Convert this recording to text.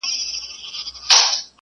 زه بايد د کتابتون کتابونه لوستل کړم.